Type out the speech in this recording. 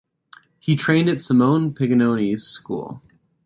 He trained at Simone Pignoni's school.